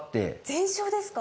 全焼ですか。